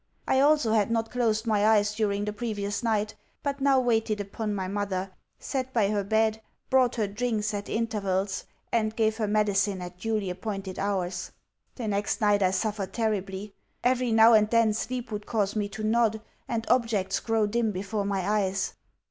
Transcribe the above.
I also had not closed my eyes during the previous night, but now waited upon my mother, sat by her bed, brought her drink at intervals, and gave her medicine at duly appointed hours. The next night I suffered terribly. Every now and then sleep would cause me to nod, and objects grow dim before my eyes.